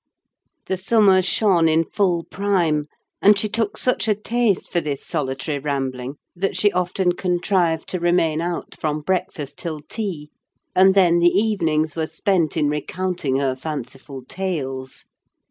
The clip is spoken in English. The summer shone in full prime; and she took such a taste for this solitary rambling that she often contrived to remain out from breakfast till tea; and then the evenings were spent in recounting her fanciful tales.